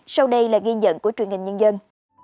sau đây là ghi nhận của truyền hình nhân dân